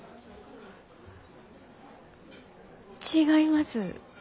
違います。